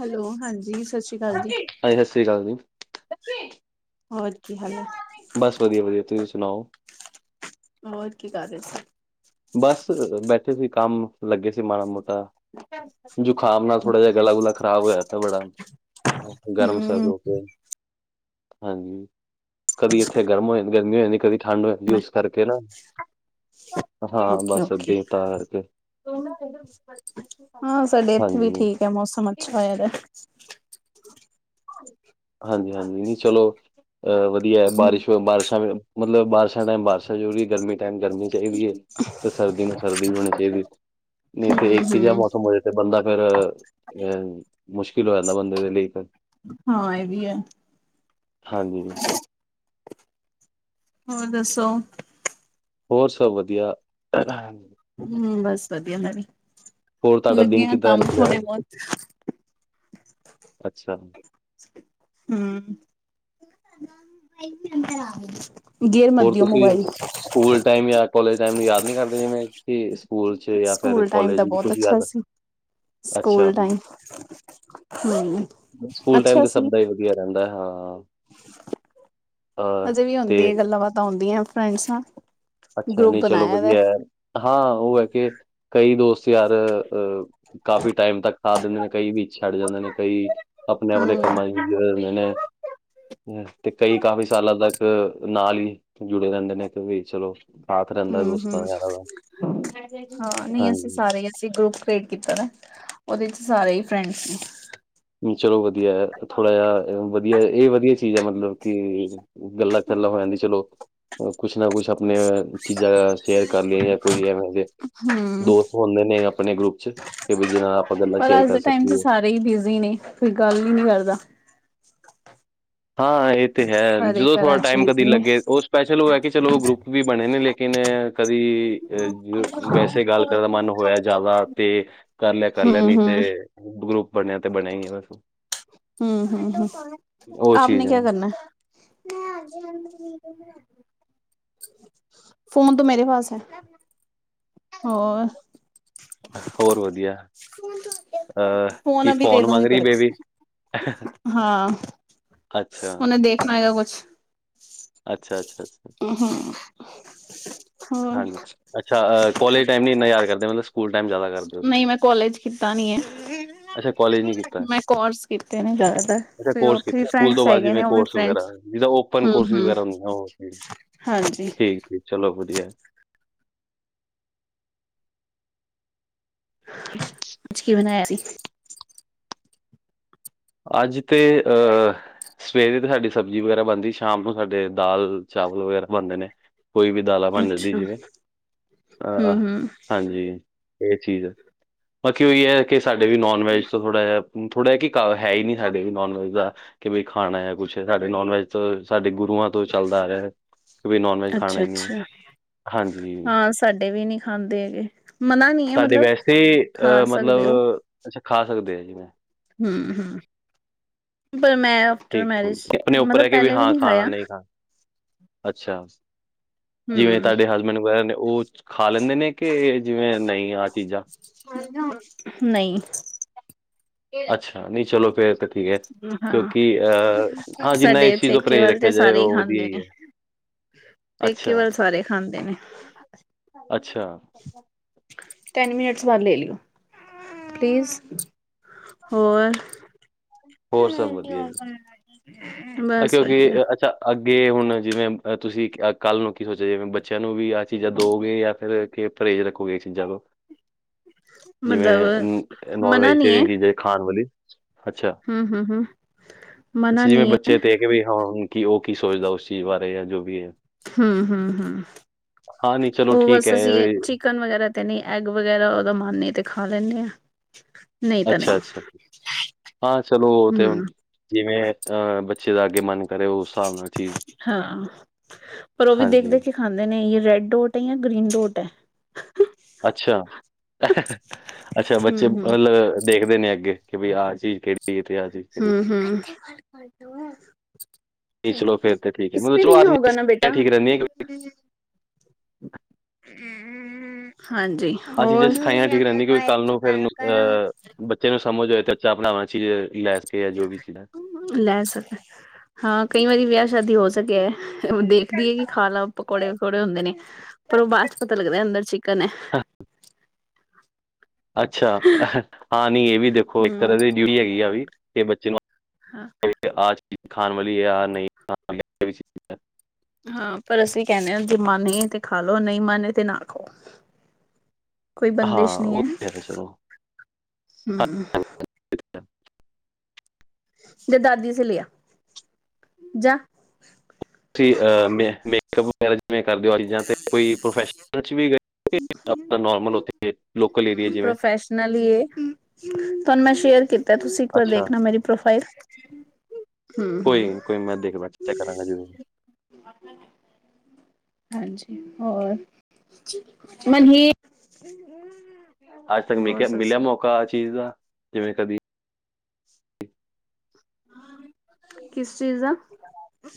Hello ਹਾਂਜੀ ਸਤਿ ਸ਼੍ਰੀ ਅਕਾਲ ਜੀ ਸਾਸੀ ਕਾਲ ਜੀ। ਹੋਰ ਕੀ ਹਾਲ ਐ। ਬਸ ਵਦੀਆ-ਵਦੀਆ, ਤੁਸੀਂ ਸੁਣਾਓ? ਹੋਰ ਕੀ ਕਰ ਰਏ ਸੀ? ਬਸ ਬੈਠੇ ਸੀ, ਕੰਮ ਲੱਗੇ ਸੀ, ਮਾੜਾ-ਮੋਟਾ ਜੁਕਾਮ ਨਾਲ ਸੀ ਥੋੜਾ ਜਿਆ, ਗਲਾ ਗੁਲਾ ਖਰਾਬ ਹੋਇਆ ਥ ਬੜਾ। ਗਰਮ ਸਰਦ ਹਮ ਹੋਗਈ, ਹਾਂਜੀ। ਕਦੀ ਇੱਥੇ ਗਰਮ ਹੋ ਜਾਂਦੀ [unintelligible] ਕਦੀ ਠੰਡ ਹੋ ਜਾਂਦੀ ਮੈਂ ਉਸ ਕਰਕੇ ਨਾ। ਹਾਂ, ਬਸ ਓਕੇ-ਓਕੇ ਅੱਗੇ ਤਾਂ ਕਰਕੇ। ਹਾਂ, ਸਾਡੇ ਇੱਥੇ ਵੀ ਹਾਂਜੀ, ਠੀਕ। ਮੌਸਮ ਅੱਛਾ ਹੋਈਦਾ। ਹਾਂਜੀ-ਹਾਂਜੀ, ਨੀ ਚਲੋ ਅਹ ਵਦੀਆ ਹਮ ਬਾਰਿਸ਼ ਬਾਰਿਸ਼ਾਂ। ਮਤਲਬ ਬਾਰਸ਼ਾਂ ਟਾਈਮ ਬਾਰਸ਼ਾਂ ਜ਼ਰੂਰੀ, ਗਰਮੀ ਟਾਈਮ ਗਰਮੀ ਚਾਈਦੀ ਐ ਤੇ ਸਰਦੀ ਨੂੰ ਸਰਦੀ ਹੋਣੀ ਚਾਈਦੀ ਐ ਨਈ ਤੇ ਇੱਕ ਜਿਆ ਹਮ ਮੌਸਮ ਹੋਏ ਤੇ ਬੰਦਾ ਫੇਰ ਐਨ ਮੁਸ਼ਕਿਲ ਹੋ ਜਾਂਦਾ ਬੰਦੇ ਦੇ ਲਈ ਫੇਰ। ਹਾਂ ਇਹ ਵੀ ਐ। ਹਾਂਜੀ। ਹੋਰ ਦੱਸੋ? ਹੋਰ ਸਬ ਵਦੀਆ। ਹੂੰ, ਬਸ ਵਦੀਆ ਮੈ ਵੀ, ਹੋਰ ਤੁਹਾਡਾ ਦਿਨ ਲੱਗੇ ਆ ਕਿੱਦਾਂ ਕੰਮ ਨਿਕਲਿਆ ਥੋੜੇ ਹੈ? ਬੌਤ। ਅੱਛਾ। ਹੂੰ। ਹੋਰ ਤੁਸੀਂ ਸਕੂਲ ਟਾਈਮ ਯਾ ਕੋਲਜ ਟਾਈਮ ਨੂੰ ਯਾਦ ਨਈ ਕਰਦੇ ਜਿਵੇਂ ਕਿ ਸਕੂਲ 'ਚ ਜਾਂ ਫਿਰ ਸਕੂਲ ਟਾਈਮ ਕਾਲਜ ਦਾ ਵਿੱਚ ਬੌਤ ਕੁਛ ਅੱਛਾ ਯਾਦ ਸੀ। ਸਕੂਲ ਅੱਛਾ, ਟਾਈਮ, ਹੂੰ, ਅੱਛਾ ਸੀ। ਸਬ ਦਾ ਈ ਵਦੀਆ ਰੈਂਦਾ, ਹਾਂ। ਅ ਹਜੇ ਵੀ ਤੇ ਹੁੰਦੀ ਐ, ਗੱਲਾਂ ਬਾਤਾਂ ਹੂੰਦੀਆਂ ਫਰੈਂਡਸ ਨਾਲ। ਅੱਛਾ, ਗਰੁੱਪ ਨਈ ਚਲੋ ਬਣਾਇਆ ਦਾ ਵਦੀਆ। ਹਾਂ ਉਹ ਐ ਕਿ ਕਈ ਦੋਸਤ ਯਾਰ ਅ ਕਾਫੀ ਟਾਈਮ ਤੱਕ ਸਾਥ ਦਿੰਦੇ ਨੇ, ਕਈ ਵੀ ਛੱਡ ਜਾਂਦੇ ਨੇ, ਕਈ ਅਪਣੇ-ਅਪਣੇ ਹਮ ਕੰਮਾਂ ਚ ਬੀਜੀ ਹੋ ਜਾਂਦੇ ਨੇ। ਤੇ ਕਈ ਕਾਫ਼ੀ ਸਾਲਾਂ ਤੱਕ ਨਾਲ ਈ ਜੁੜੇ ਰਹਿੰਦੇ ਨੇ ਤੇ ਵੀ ਚਲੋ। ਸਾਥ ਰਹਿੰਦਾ ਹੂੰ, ਦੋਸਤਾਂ ਹੂੰ, ਯਾਰਾਂ ਦਾ ਹਾਂ ਨਹੀਂ ਅਸੀਂ ਹਾਂਜੀ ਸਾਰੇ ਅਸੀਂ ਗਰੁੱਪ ਟੇਡ ਕੀਤਾ ਦਾ ਉਹਦੇ ਚ ਸਾਰੇ ਈ ਫਰੈਂਡਸ ਨੇ। ਚਲੋ ਵਦੀਆ ਥੋੜਾ ਜਿਆ ਵਦੀਆ ਇਹ ਵਦੀਆ ਚੀਜ਼ ਐ ਮਤਲਬ ਕਿ ਗੱਲਾਂ ਕਲਾਂ ਹੋ ਜਾਂਦੀ ਚਲੋ। ਕੁਛ ਨਾ ਕੁਛ ਅਪਣੇ ਚੀਜ਼ਾਂ ਸ਼ੇਅਰ ਕਰ ਲਈਏ ਯਾਂ ਕੋਈ ਐਵੇਂ ਦੇ ਨੇ ਹੂੰ ਦੋਸਤ ਹੁੰਦੇ ਨੇ ਅਪਣੇ ਗਰੁੱਪ ਚ ਕਿ ਵੀ ਜਿਨਾਂ ਨਾਲ ਆਪਾਂ ਗੱਲਾਂ ਸ਼ੇਅਰ ਕਰ ਸਕੀਏ। ਕਈ ਬਿਜ਼ੀ ਨੇ ਕੋਈ ਗੱਲ ਈ ਨੀ ਕਰਦਾ। ਹਾਂ ਇਹ ਤੇ ਹੈ ਸਾਰੇ ਜਦੋਂ ਥੋੜਾ ਘਰਾਂ ਚ ਟਾਈਮ ਕਦੀ ਬਿਜ਼ੀ ਨੇ ਲੱਗੇ ਉਹ ਸਪੈਸ਼ਲ ਹੋਇਆ ਕਿ ਚਲੋ ਉਹ ਗਰੁੱਪ ਵੀ ਬਣੇ ਨੇ ਲੇਕਿਨ ਐ ਕਦੀ ਆ ਗ ਵੈਸੇ ਗੱਲ ਕਰਨ ਦਾ ਮਨ ਹੋਇਆ ਜ਼ਿਆਦਾ ਤੇ ਕਰ ਲਿਆ ਕਰ ਹੂੰ ਲਿਆ ਨਹੀਂ ਹੂੰ ਤੇ ਗਰੁੱ ਬਣਿਆ ਤੇ ਬਣਿਆ ਹੀ ਹੈ ਬਸ ਹਮ ਹਮ ਹਮ ਉਹ ਆਪ ਚੀਜ਼ ਨੇ ਹੈ ਕਿਆ ਕਰਨਾ ਮੈਂ ਅਜੇ ਮੰਮੀ ਦੀ ਫੋਨ ਤ ਮੇਰੇ ਪਾਸ ਹੈ ਹੋਰ। ਹੋਰ ਵਦੀਆ। ਫੋਨ ਅਭੀ ਦੇ ਮੰਗ ਦੂੰਗੀ ਰਹੀ ਤੇਰੇ ਬੇਬੀ? ਕੋ, ਹਾਂ ਅੱਛਾ, ਉਹਨੇ ਦੇਖਣਾ ਹੈਗਾ ਕੁੱਛ। ਅੱਛਾ-ਅੱਛਾ ਹਮ ਹਾਂਜੀ, ਅੱਛਾ ਅ ਕੋਲਜ ਟਾਈਮ ਨੀ ਇੰਨਾ ਯਾਦ ਕਰਦੇ ਮਤਲਬ ਸਕੂਲ ਟਾਈਮ ਜ਼ਿਆਦਾ ਕਰ ਨਹੀਂ ਮੈਂ ਕੋਲੇਜ ਕੀਤਾ ਨੀ ਏ। ਅੱਛਾ ਕੋਲੇਜ ਨੀ ਕੀਤਾ, ਨੇ ਜ਼ਿਆਦਾਤਰ ਅੱਛਾ ਫਿਰ ਕੋਰਸ ਉੱਥੇ ਵੀ ਕਿਤੇ ਸਕੂਲ ਤੋਂ ਫਰੈਂਡਸ ਬਾਅਦ ਹੈਗੇ ਜਿਵੇਂ ਨੇ ਉਹ ਵੀ ਕੋਰਸ ਫਰੈਂਡਸ ਵਗੈਰਾ। ਜਿਦਾਂ ਓਪਨ ਕੋਰਸ ਵਗੈਰਾ ਹੂੰ, ਆਹੋ, ਠੀਕ, ਹਾਂਜੀ ਠੀਕ ਚਲੋ ਵਧੀਆ। ਅੱਜ ਕੀ ਬਣਾਇਆ ਸੀ? ਅੱਜ ਤੇ, ਅਹ ਸਵੇਰੇ ਤੇ ਸਾਡੀ ਸਬਜ਼ੀ ਵਗੈਰਾ ਬਣਦੀ ਸ਼ਾਮ ਨੂੰ ਸਾਡੇ ਦਾਲ ਚਾਵਲ ਵਗੈਰਾ ਬਣਦੇ ਨੇ। ਕੋਈ ਵੀ ਦਾਲਾਂ ਬਣ ਜਾਂਦੀ ਅੱਛਾ, ਜਿਵੇਂ, ਆਹ ਹੂੰ-ਹੂੰ, ਹਾਂਜੀ। ਇਹ ਚੀਜ਼ ਹੈ, ਬਾਕੀ ਉਹੀ ਹੈ ਕਿ ਸਾਡੇ ਵੀ ਨੋਨ ਵੈਜ ਤੋਂ ਥੋੜ੍ਹਾ ਜਿਹਾ ਥੋੜ੍ਹਾ ਹੈ ਕਿ ਤਾਂ ਹੈ ਹੀ ਨੀ ਸਾਡੇ ਵੀ ਨੋਨ ਵੈਜ ਦਾ ਕਿ ਬਈ ਖਾਣਾ ਆ ਕੁਛ ਸਾਡੇ ਨੋਨ ਵੈਜ ਤੋਂ ਸਾਡੇ ਗੂ ਰੂਆਂ ਤੋਂ ਚੱਲਦਾ ਆ ਰਿਹਾ ਕਿ ਨੋਨ ਵੈਜ ਖਾਣਾ ਹੀ ਨਹੀਂ, ਅੱਛਾ-ਅੱਛਾ, ਹਾਂਜੀ। ਹਾਂ ਸਾਡੇ ਵੀ ਨਹੀਂ ਖਾਂਦੇ ਹੈਗੇ। ਮਨਾ ਨੀ ਐ ਤੁਹਾਡੇ ਮਤਲਬ ਵੈਸੇ ਖਾ ਅਹ ਸਕਦੇ ਮਤਲਬ ਅੱਛਾ ਖਾ ਸਕਦੇ ਆ ਜਿਵੇਂ ਹਮ-ਹਮ ਪਰ ਮੈਂ ਆਫਟਰ ਮੈਰਿਜ ਠੀਕ-ਠੀਕ ਆਪਣੇ ਉੱਪਰ ਮਤਲਬ ਅਹ ਕਿ ਵੀ ਪਹਿਲੇ ਹਾਂ ਨੀ ਖਾਣਾ ਖਾਇਆ, ਨਹੀਂ ਖਾਣਾ। ਅੱਛਾ, ਜਿਵੇਂ ਹੂੰ, ਤੁਹਾਡੇ ਹਸਬੈਂਡ ਵਗੈਰਾ ਨੇ ਉਹ ਖਾ ਲੈਂਦੇ ਨੇ। ਕਿ ਜਿਵੇਂ ਨਹੀਂ ਆ ਚੀਜ਼ਾਂ ਨਹੀਂ ਅੱਛਾ, ਨਹੀਂ ਚਲੋ ਫੇਰ ਤੇ ਠੀਕ ਹੈ ਹਾਂ, ਕਿਉਂਕਿ ਅਹ ਹਾਂ ਜਿੰਨਾ ਸਾਡੇ ਏਸੀ ਤੋਂ ਪੇਕੇ ਪਰਹੇਜ਼ ਵੱਲ ਤੇ ਰੱਖਿਆ ਜਾਏ ਸਾਰੇ ਈ ਉਹ ਵਧੀਆ ਖਾਂਦੇ ਹੀ ਨੇ, ਹੈ। ਪੇਕੇ ਅੱਛਾ ਵੱਲ ਸਾਰੇ ਖਾਂਦੇ ਨੇ। ਅੱਛਾ ਟੈਨ ਮਿਨਟਸ ਬਾਅਦ ਲੇ ਲਿਓ, ਪਲੀਜ਼। ਹੋਰ, ਹੋਰ ਸਭ ਮੀਡਿੳ ਵਧੀਆ ਔਨ ਜੀ ਕਰਨਾ ਏ। ਅ ਕਿਉਂਕਿ ਅ ਅੱਛਾ ਅੱਗੇ ਹੁਣ ਜਿਵੇਂ ਤੁਸੀਂ ਕੱਲ੍ਹ ਨੂੰ ਕੀ ਸੋਚਿਆ ਜਿਵੇਂ ਬੱਚਿਆਂ ਨੂੰ ਵੀ ਆਹ ਚੀਜ਼ਾਂ ਦਓਗੇ ਜਾਂ ਫਿਰ ਕਿ ਪਰਹੇਜ਼ ਰੱਖੋ ਇਹ ਚੀਜ਼ਾਂ ਤੌਂ। [unintelligible] ਜਿਵੇਂ ਮਤਲਬ ਨ ਨੋਨ ਮਨਾ ਨੀ ਐ, ਵੈਜੀਟੇਰੀਅਨ ਚੀਜ਼ ਏ ਖਾਣ ਵਾਲੀ। ਅੱਛਾ, ਹੂੰ-ਹੂੰ-ਹੂੰ, ਮਨਾ ਅੱਛਾ ਨੀ ਜਿਵੇਂ ਬ ਐ, ਚੇ ਤੇ ਕੇ ਵੀ ਹਾਂੁਣ ਕੀ ਉਹ ਕੀ ਸੋਚਦਾ ਉਸ ਚੀਜ਼ ਬਾਰੇ ਐ ਜਾਂ ਜੋ ਵੀ ਐ। ਹਮ-ਹਮ-ਹਮ, ਨਹੀਂ ਚਲੋ ਉਹ ਠੀਕ ਬਸ ਅਸੀਂ, ਹੈ ਠੀਕ ਕਨ ਵਗੈਰਾ ਤੇ ਨਹੀਂ ਐਗ ਵਗੈਰਾ ੳਦਾਂ ਮੰਨ ਏ ਤੇ ਖਾ ਲੈਂਨੇ ਆਂ। ਅੱਛਾ-ਅੱਛਾ, ਹਾਂ ਚਲੋ ੳਹ ਤੇ ਹਮ ਹੁਣ ਜਿਵੇਂ ਅਹ ਬੱਚੇ ਦਾ ਅੱਗੇ ਮਨ ਕਰੇ ਉਸ ਹਿਸਾਬ ਨਾਲ ਚੀਜ਼ ਹਾਂ, ਪਰ ਉਹ ਵੀ ਹਾਂਜੀ ਦੇਖ-ਦੇਖ ਕੇ ਖਾਂਦੇ ਨੇ ਯ ਰੈੱਡ ਡੋਟ ਹੈ ਜਾਂ ਗ੍ਰੀਨ ਡੋਟ ਹੈ। ਅੱਛਾ, ਅੱਛਾ ਬੱਚੇ ਹਮ ਹਮ ਮਤਲਬ ਦੇਖਦੇ ਨੇ ਅੱਗੇ ਕਿ ਬਈ ਆਹ ਚੀਜ਼ ਕਿਹੜੀ ਹੈ ਤੇ ਆਹ ਚੀਜ਼ ਕਿਹੜੀ। ਹੈ। ਹਮ ਨਹੀਂ ਚਲੋ ਠੀਕ, ਫਿਰ ਤੇ ਠੀਕ ਹੈ ਮਤਲਬ ਇਸਪੇ ਚਲੋ ਆਹ ਨਹੀਂ ਹੋਗਾ ਚੀਜ਼ਾਂ ਨਾ ਬੇਟਾ, ਸਿੱਖੀਆਂ ਠੀਕ ਰਹਿੰਦੀਆਂ ਹਮ ਹਾਂ ਜੀ। ਹਾਂ ਜੀ ਜੇ ਸਖਾਈਆਂ ਠੀਕ ਰਹਿੰਦੀ ਕਿੳੰਕਿ ਕੱਲ੍ਹ ਨੂੰ ਫੇਰ ਨੂੰ ਅਹ, ਬ। ਤੈਨੂੰ ਸਮਝ ਹੋਏ ਤੇ ਚਾ ਬਣਾਵਾਂ ਚੀਜ਼ ਕਿ ਲੈਸ ਕੇ ਜੋ ਵੀ ਸੀਗਾ। ਲੈ ਸਕਦਾ। ਹਾਂ ਕਈ ਵਾਰੀ ਵਿਆਹ ਸ਼ਾਦੀ ਹੋ ਸਕਿਆ ਦੇਖਦੀ ਹੈ ਕਿ ਖਾ ਲਾ ਪਕੌੜੇ-ਪਕੌੜੇ ਹੁੰਦੇ ਨੇ। ਪਰ ਉਹ ਬਾਅਦ ਚ ਪਤਾ ਲੱਗਦਾ ਅੰਦਰ ਚਿੱਕਨ ਹੈ। ਅੱਛਾ ਹਾਂ ਨ ਇਹ ਵੀ ਦੇਖੋ। ਇੱਕ ਹਮ ਤਰ੍ਹਾਂ ਦੀ ਡਿਊਟੀ ਹੈਗੀ ਆ ਵੀ ਕਿ ਬੱਚੇ ਨੂੰ। ਹਾਂ। ਆਜ ਚੀਜ਼ ਖਾਣ ਵਾਲੀ ਹੈ ਆ ਨਹੀਂ ਖਾਣ ਵਾਲੀ। ਹਾਂ ਪਰ ਅਸੀਂ ਕਹਿੰਦੇ ਹਾਂ ਜੇ ਮਨ ਤੇ ਖਾ ਲੋ ਨਹੀਂ ਮਨ ਤੇ ਨਾ ਖਾਓ। ਕੋਈ ਬੰਦਿਸ਼ ਹਾਂ, ਨਹੀਂ ਹੈ ਉਹ ਤੇ ਚਲੋ। ਹਮ। [inaudible] ਜਾਂ ਦਾਦੀ ਸੇ ਲਿਆ ਜਾਂ। ਤੁ ਅਹ ਮ। ਜਿਵੇਂ ਕਰਦੇ ਹੋ ਚੀਜ਼ਾਂ ਤੇ ਕੋਈ ਪ੍ਰੋਫੈਸ਼ਨਲ ਵੀ ਗਏ ਕਿ ਨੋਰਮਲ ਉੱਥੇ। ਕੇ ਲੋਕਲ ਹੀ। ਪ੍ਰੋਫੈਸ਼ਨਲੀ। ਤੁਹਾਨੂੰ ਮੈਂ ਸ਼ੇਅਰ ਕੀਤਾ ਤੁਸੀਂ ਇੱਕ ਵਾਰ ਅੱਛਾ, ਦੇਖਣਾ ਮੇਰੀ ਪ੍ਰੋਫਾਈਲ। [inaudible] ਹੂੰ ਕੋਈ ਹੂੰ ਨੀ ਕੋਈ ਮੈਂ ਦੇਖਦਾ ਚੈੱਕ ਕਰਨ ਕਰਾਂਗਾ ਜੀ। [unintelligible] ਹਾਂ ਜੀ ਹੋਰ ਮਨੀ। ਅੱਜ ਤੱਕ ਮੈਂ ਕਿਹਾ ਮਿਲਿਆ ਮੌਕਾ ਆ ਚੀਜ਼ ਦਾ ਜਿਵੇਂ ਕਦੀ। ਕਿਸ ਚੀਜ਼ ਦਾ?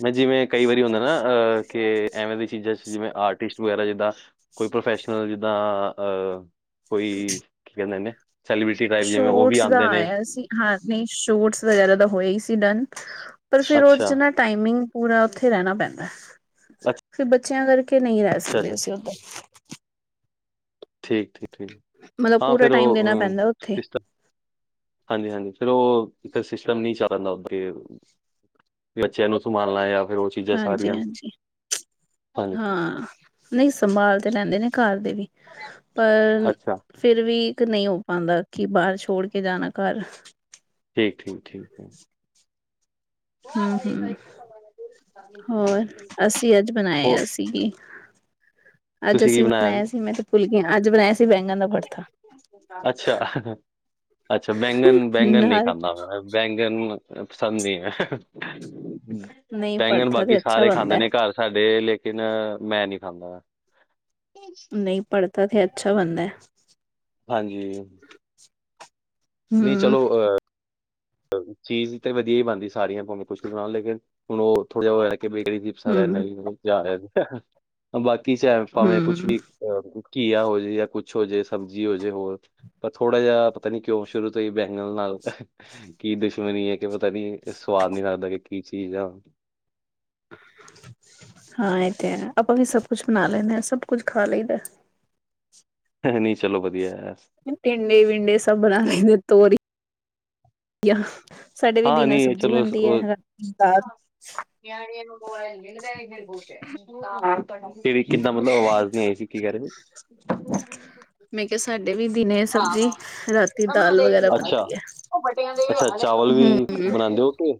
ਮੈਂ ਜਿਵੇਂ ਕਈ ਵਾਰੀ ਹੁੰਦਾ ਨਾ ਅ ਕਿ ਐਵੇਂ ਦੀਆਂ ਚੀਜ਼ਾਂ ਚ ਜਿਵੇਂ ਆਰਟਿਸਟ ਵਗੈਰਾ ਜਿੱਦਾਂ। ਕੋਈ ਪ੍ਰੋਫੈਸ਼ਨਲ ਜਿੱਦਾਂ ਅਹ ਕੋਈ ਕੀ ਕਹਿੰਦੇ ਨੇ? ਸੈਲੀਬ੍ਰਿਟੀ ਟਾਈਪ ਜਿਵੇਂ ਉਹ ਵੀ ਸ਼ੋਟਸ ਦਾ ਆਉਂਦੇ ਨੇ। ਆਇਆ ਸੀ ਹਾਂ ਨਹੀਂ ਸ਼ੋਟਸ ਵਗੈਰਾ ਤਾਂ ਹੋਇਆ ਹੀ ਸੀ ਡਨ। ਪਰ ਫਿਰ ਉਹਦੇ ਚ ਅੱਛਾ, ਨਾ। ਟਾਈਮਿੰਗ ਪੂਰਾ ਉੱਥੇ ਰਹਿਣਾ ਪੈਂਦਾ। ਅੱਛਾ, ਫਿਰ ਬੱਚਿਆਂ ਕਰਕੇ ਨਹੀਂ ਰਹ। ਅੱਛਾ, ਅੱਛਾ, ਦੇ ਸੀ ਉਦੇ। ਅੱਛਾ ਠੀਕ ਠੀਕ ਠੀਕ। ਮਤਲਬ ਹਾਂ ਪੂਰਾ ਫਿਰ ਟਾਈਮ ਦੇਣਾ ਉਹ। ਪੈਂਦਾ ਉੱਥੇ ਹਾਂ ਜੀ ਹਾਂ ਜੀ ਫਿਰ ਉਹ ਇਹ ਸਿਸਟਮ ਨਹੀਂ ਚੱਲਦਾ ਉੱਥੇ। ਬੱਚਿਆਂ ਨੂੰ ਸੰਭਾਲਣਾ ਜਾਂ ਫਿਰ ਉਹ ਚੀਜ਼ਾਂ ਹਾਂਜੀ ਸਾਰੀਆਂ। ਹਾਂਜੀ ਹਾਂ ਜੀ। ਹਾਂ। ਨਹੀਂ ਸੰਭਾਲ ਤੇ ਲੈਂਦੇ ਨੇ ਘਰ ਦੇ ਵੀ ਪਰ। ਅੱਛਾ ਫਿਰ ਵੀ ਇੱਕ ਨਹੀਂ ਹੋ ਪਾਉਂਦਾ ਕਿ ਬਾਹਰ ਛੋੜ ਕੇ ਜਾਣਾ ਘਰ। ਠੀਕ ਠੀਕ ਠੀਕ। ਹਮ ਹਮ। ਹੋਰ ਅਸੀਂ ਅੱਜ ਬਣਾਇਆ ਉਹ ਸੀ। ਅੱਜ ਤੁਸੀਂ ਕੀ ਅਸੀਂ ਜੀ? ਬਣਾਇਆ ਸੀ ਮੈਂ ਤੇ ਭੁੱਲ ਗਈ ਹਾਂ। ਅੱਜ ਬਣਾਇਆ ਸੀ ਬੈਂਗਣ ਦਾ ਪੜਥਾ। ਅੱਛਾ ਅੱਛਾ। ਬੈਂਗਣ ਬੈਂਗਣ ਨਹੀਂ ਨਾਲ ਖਾਂਦਾ ਮੈਂ। ਬੈਂਗਣ ਪਸੰਦ ਨਹੀਂ ਐ। ਨਹੀਂ ਬੈਂਗਣ ਭੜਥਾ ਤੇ ਬਾਕੀ ਅੱਛਾ ਸਾਰੇ ਖਾਂਦੇ ਬਣਦਾ ਨੇ ਘਰ ਸਾਡੇ। ਲੇਕਿਨ ਮੈਂ ਨੀ ਖਾਂਦਾ। [unintelligible] ਨਹੀਂ ਪੜ੍ਹਥਾ ਤੇ ਅੱਛਾ ਬਣਦਾ। ਹਾਂ ਜੀ। ਨਹੀਂ ਹੂੰ ਚਲੋ ਅਹ। ਚੀਜ਼ ਤੇ ਵਧੀਆ ਹੀ ਬਣਦੀ ਸਾਰੀਆਂ। ਭਾਵੇ ਕੁੱਝ ਵੀ ਬਣਾ ਲੋ। ਲੇਕਿਨ ਹੁਣ ਉਹ ਥੋੜਾ ਜਾ ਉਹ ਕੇ ਬੇਕਰੀ। ਸਾਰ ਹੂੰ ਜਾ ਬਾਕੀ ਚਾਹੇ ਭਾਵੇਂ ਕੁੱਝ ਹੂੰ ਵੀ। ਘੀਆ ਹੋ ਜੇ ਜਾਂ ਕੁੱਝ ਹੋ ਜੇ ਸਬਜ਼ੀ ਹੋ ਜੇ ਹੋਰ। ਪਰ ਥੋੜਾ ਜਿਹਾ ਪਤਾ ਨੀ ਕਿਉਂ ਸ਼ੁਰੂ ਤੋਂ ਹੀ ਬੈਂਗਣ ਨਾਲ। ਕੀ ਦੁਸ਼ਮਣੀ ਹੈ ਕਿ ਪਤਾ ਨੀ ਇਹ ਸਵਾੱਦ ਨੀ ਲੱਗਦਾ ਕਿ ਕੀ ਚੀਜ਼ ਆ। ਹਾਂ ਇਹ ਤੇ ਹੈ। ਆਪਾਂ ਵੀ ਸਭ ਕੁੱਝ ਬਣਾ ਲੈਂਦੇ ਹਾਂ। ਸਭ ਕੁੱਝ ਖਾ ਲਈਦਾ। ਨਹੀਂ ਚਲੋ ਵਧੀਆ। ਟਿੰਡੇ ਵਿੰਡੇ ਸੱਭ ਬਣਾ ਲੈਂਦੇ ਤੋਰੀ ਸਾਡੇ ਵੀ ਹਾਂ ਦਿਨ ਨਹੀਂ ਇਹ ਸਬਜ਼ੀ ਚਲੋ ਬਣਦੀ ਹੈ ਰਾਤੀ ਦਾਲ। ਬਿਆਣੀੀਆਂ ਨੂੰ ਨੋ ਲਈਦੀ ਬਹੁ [inaudible] ਤੇੜ ਕਿੱਦਾਂ ਮਤਲਬ ਆਵਾਜ਼ ਨੀ ਆਈ ਸੀ ਕੀ ਕਹ ਰਹੇ ਸੀ। ਮੈਂ ਕਿਹਾ ਸਾਡੇ ਵੀ ਦਿਨੇ ਸਬਜ਼ੀ ਰਾਤੀ ਦਾਲ ਵਗੈਰਾ ਅੱਛਾ ਬਣਦੀ ਹੈ। ਅੱਛਾ ਚਾਵਲ ਵੀ ਹੂੰ ਬਣਾਦੇ ਹੋ ਕੇ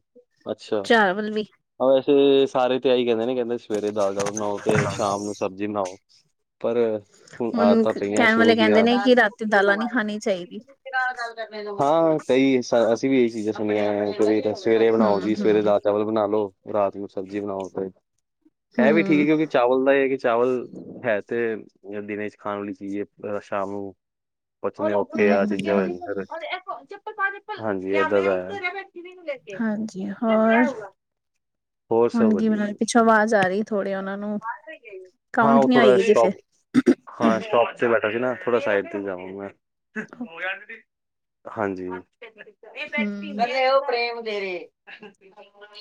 ਅੱਛਾ। ਚਾਵਲ ਵੀ ਹਾਂ ਵੈਸੇ ਸਾਰੇ ਤੇ ਆਹੀ ਕਹਿੰਦੇ ਨੇ ਕਹਿੰਦੇ ਸਵੇਰੇ ਦਾਲ ਚਾਵਲ ਬਣਾਓ ਤੇ ਸ਼ਾਮ ਨੂੰ ਸਬਜ਼ੀ ਬਣਾਓ। ਪਰ ਹੁਣ ਆਦਤਾਂ ਪਈਆਂ ਕਹਿਣ ਸ਼ੁਰੂ ਵਾਲੇ ਕਹਿੰਦੇ ਦੀਆ। ਨੇ ਕਿ ਰਾਤੀ ਦਾਲਾਂ ਨੀ ਖਾਣੀ ਚਾਹੀਦੀ ਹਾਂ ਕਈ ਅਸੀਂ ਵੀ ਇਹੀ ਚੀਜ਼ਾਂ ਸੁਣੀਆਂ ਕੋਈ। ਸਵੇਰੇ ਬਣਾਓ ਜੀ ਸਵੇਰੇ ਦਾਲ ਚਾਵਲ ਬਣਾ ਲਓ ਰਾਤ ਨੂੰ ਸਬਜ਼ੀ ਬਣਾਓ ਤੇ ਹੈ ਵੀ ਠੀਕ ਹੈ ਹੂੰ-ਹੂੰ-ਹੂੰ-ਹੂੰ-ਹੂੰ ਕਿਉਂਕਿ ਚਾਵਲ ਦਾ ਇਹ ਹੈ ਕਿ ਚਾਵਲ ਹੈ ਤੇ ਦਿਨ ਚ ਖਾਣ ਵਾਲੀ ਚੀਜ਼ ਹੈ ਸ਼ਾਮ ਨੂੰ ਪੁੱਛ ਓਥੇ ਆ ਚੀਜ਼ਾਂ ਫ ਹਾਂਜੀ ਏਦਾਂ ਦਾ [unintelligible] ਹਾਂਜੀ ਹੋਰ ਹੋਰ ਸਭ ਹੁਣ ਕੀ ਬ ਵਧੀਆ ਜੀ। ਪਿੱਛੋਂ ਆਵਾਜ਼ ਆ ਰਹੀ ਥੋੜ੍ਹੇ ਉਹਨਾਂ ਨੂੰ ਹਾਂ ਕਾਊਂਟ ਉਹ ਨੀ ਥੋੜਾ ਹੋਏਗੀ ਜੇ ਫਿਰ ਸ਼ੋਪ ਹਾਂ ਸ਼ਾਪ ਤੇ ਬੈਠਾ ਸੀ ਨਾ ਥੋੜਾ ਸਾਈਡ ਤੇ ਜਾਵਾਂ ਮੈਂ ਹੂੰ ਹਾਂਜੀ।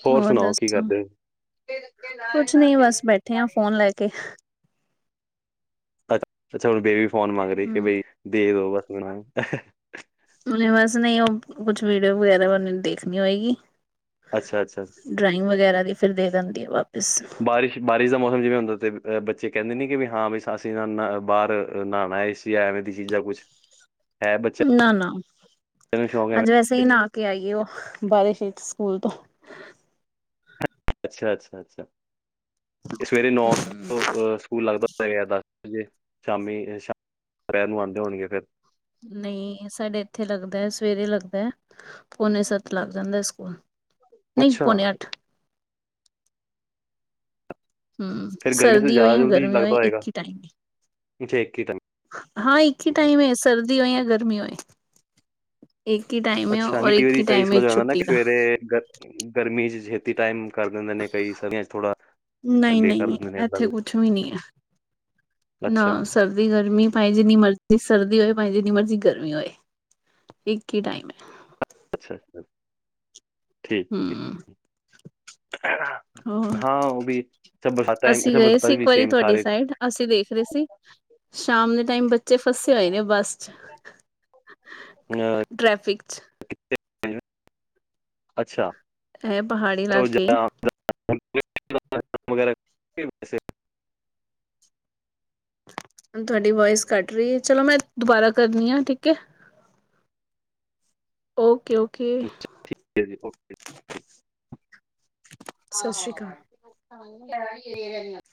ਹੋਰ ਸੁਣਾਓ ਕੀ ਕਰਦੇ। ਕੁਛ ਨੀ ਬਸ ਬੈਠੇ ਆ ਫੋਨ ਲੈ ਕੇ ਅੱ ਅੱਛਾ ਹੁਣ ਬੇਬੀ ਫੋਨ ਮੰਗ ਰਹੀ ਕਿ ਹੂੰ ਬਈ ਦੇ ਦੋ ਬਸ ਮੈਨੂੰ। ਨ ਬਸ ਨਹੀਂ ਉਹ ਕੁਛ ਵੀਡੀਓ ਵਗੈਰਾ ਉਹਨ ਦੇਖਣੀ ਹੋਏਗੀ। ਅੱਛਾ, ਅੱਛਾ। ਡਰਾਇੰਗ ਵਗੈਰਾ ਦੀ ਫਿਰ ਦੇ ਦਿੰਦੀ ਹੈ ਵਾਪਿਸ। ਬਾਰਿਸ਼ ਬਾਰਿਸ਼ ਦਾ ਮੌਸਮ ਜਿਵੇਂ ਹੁੰਦਾ ਤੇ ਬੱਚੇ ਕਹਿੰਦੇ ਨੇ ਕਿ ਵੀ ਹਾਂ ਬ ਅਸੀਂ ਬਾਹਰ ਨਹਾਉਣਾ ਇਸ ਐਵੇਂ ਦੀ ਚੀਜ਼ਾਂ ਕੁਛ ਹੈ ਬੱਚਾ ਨਾ-ਨਾ ਬ ਨੂੰ ਸ਼ੌਕ ਹੈ ਮ ਅੱਜ ਵੈਸੇ ਹੀ ਨਾ ਕੇ ਆਈਏ ਉਹ ਬਾਰਿਸ਼ ਵਿਚ ਸਕੂਲ ਤੋਂ ਅੱਛਾ, ਅੱਛਾ, ਅੱਛਾ ਇਹ ਸਵੇਰੇ ਨੌ ਤੋਂ ਸਕੂਲ ਲੱਗਦਾ ਸ ਦਸ ਵਜੇ ਸ਼ਾਮੀ ਸ਼ ਦਪਹਿਰ ਨੂੰ ਆਉਂਦੇ ਹੋਣਗੇ ਫਿਰ। ਨਹੀਂ ਸਾਡੇ ਇੱਥੇ ਲੱਗਦਾ ਹੈ ਸਵੇਰੇ ਲੱਗਦਾ ਪੋਨੇ ਸੱਤ ਲੱਗ ਜਾਂਦਾ ਸਕੂਲ। ਨਹੀਂ ਅੱਛਾ। ਪੌਨੇ ਅੱਠ ਹਮ ਫਿਰ ਗਰਮੀ ਤੋਂ ਸਰਦੀ ਹੋਏ ਜ਼ਿਆਦਾ ਜਾਂ ਜਲਦੀ ਗਰਮੀ ਹੋਏ ਲੱਗਦਾ ਇੱਕ ਹੋਏਗਾ ਹੀ ਟਾਈਮ। ਅੱਛਾ ਇੱਕ ਹੀ ਹਾਂ ਇੱਕ ਹੀ ਟਾਈਮ ਹੈ ਸਰਦੀ ਹੋਏ ਜਾਂ ਗਰਮੀ ਹੋਏ। ਇੱਕ ਹੀ ਟਾਈਮ। ਅੱਛਾ ਨੀ ਕਈ ਵਾਰੀ ਕਈ ਇਸ ਹੈ ਜਾਣਾ ਨਾ ਕਿ ਛੁੱਟੀ ਦਾ ਸਵੇਰੇ ਗਰਮੀ ਚ ਛੇਤੀ ਟਾਈਮ ਕਰ ਦਿੰਦੇ ਨੇ ਕਈ ਸਰਦਿਆ ਚ ਥੋੜਾ ਨਹੀਂ ਲੇਟ ਕਰ ਨਹੀਂ ਦਿੰਦੇ ਨੇ ਇੱ ਇੱਥੇ ਕੁਛ ਵੀ ਨਹੀਂ ਹੈ ਨਾ ਸਰ ਜੀ ਗਰਮੀ ਭਾਵੇ ਜਿੰਨੀ ਮਰਜ਼ੀ ਸਰਦੀ ਹੋਏ ਭਾਵੇ ਜਿੰਨੀ ਮਰਜ਼ੀ ਗਰਮੀ ਹੋਏ ਇੱਕ ਹੀ ਟਾਈਮ ਹੈ। ਅੱਛਾ, ਅੱਛਾ। ਹਮ। ਹੋਰ ਹਾਂ ਉਹ ਵੀ ਅੱਛਾ ਬਰਸਾ ਅਸੀਂ ਅੱਛਾ ਗਏ ਸੀ ਬਰਸਾਤੀ ਚ ਵੀ ਇੱਕ ਵਾਰੀ ਸੇਮ ਤੁਹਾਡੀ ਸਾਰੇ। ਸਾਈਡ ਅਸੀਂ ਦੇਖ ਰਹੇ ਸੀ ਸ਼ਾਮ ਦੇ ਟਾਈਮ ਬੱਚੇ ਫਸੇ ਹੋਏ ਨੇ ਬੱਸ ਚ। ਅ ਟ੍ਰੈਫਿਕ ਚ ਅੱਛਾ। ਇਹ ਪਹਾੜੀ ਇਲਾਕੇ। [unintelligible] ਤੁਹਾਡੀ ਵਾਇਸ ਘੱਟ ਰਹੀ ਹੈ ਚਲੋ ਮੈਂ ਦੁਬਾਰਾ ਕਰਨੀ ਆ ਠੀਕ ਹੈ। ਓਕੇ, ਓਕੇ ਸਤਿ ਸ਼੍ਰੀ ਅਕਾਲ ਆਹੋੋ [unintelligible]